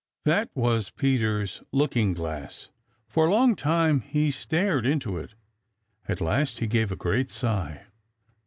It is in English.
That was Peter's looking glass. For a long time he stared into it. At last he gave a great sigh.